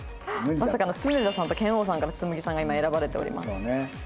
まさかの常田さんと拳王さんからつむぎさんが今選ばれております。